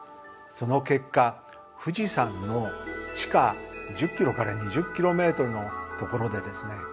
その結果富士山の地下１０ｋｍから２０ｋｍのところでですね